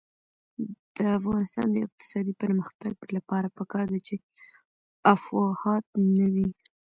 د افغانستان د اقتصادي پرمختګ لپاره پکار ده چې افواهات نه وي.